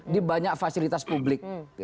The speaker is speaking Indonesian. di banyak fasilitas publik